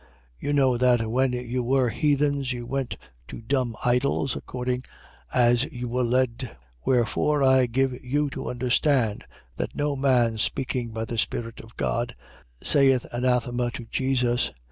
12:2. You know that when you were heathens, you went to dumb idols, according as you were led. 12:3. Wherefore, I give you to understand that no man, speaking by the Spirit of God, saith Anathema to Jesus.